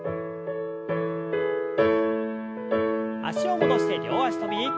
脚を戻して両脚跳び。